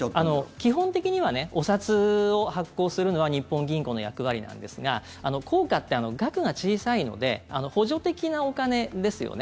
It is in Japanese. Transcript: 基本的にはお札を発行するのは日本銀行の役割なんですが硬貨って額が小さいので補助的なお金ですよね。